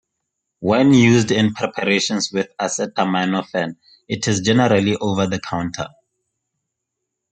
When used in preparations with acetaminophen it is generally over the counter.